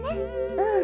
うん。